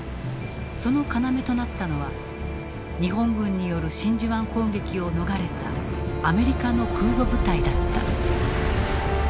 その要となったのは日本軍による真珠湾攻撃を逃れたアメリカの空母部隊だった。